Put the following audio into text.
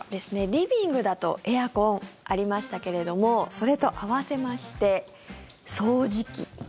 リビングだとエアコン、ありましたけれどもそれと合わせまして掃除機